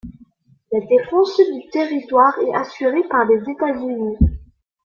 La défense du territoire est assurée par les États-Unis.